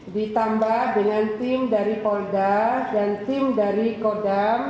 ditambah dengan tim dari polda dan tim dari kodam